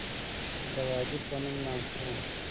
د وادي پنوم نامتو وه.